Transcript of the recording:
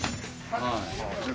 はい。